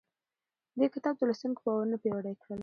دې کتاب د لوستونکو باورونه پیاوړي کړل.